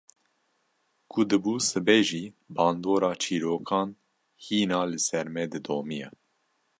Ku dibû sibe jî bandora çîrokan hîna li ser me didomiya.